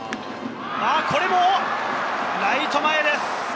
これもライト前です。